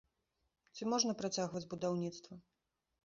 Ці можна працягваць будаўніцтва?